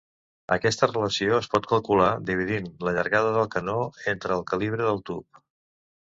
Aquesta relació es pot calcular dividint la llargada del canó entre el calibre del tub.